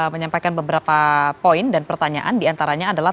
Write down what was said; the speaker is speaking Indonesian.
menyampaikan beberapa poin dan pertanyaan diantaranya adalah